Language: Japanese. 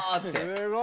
すごい。